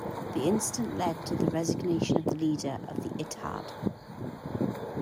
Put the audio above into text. The incident led to the resignation of the leader of the "Ittehad".